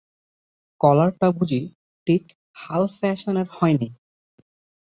কলারটা বুঝি ঠিক হাল ফেশানের হয় নি!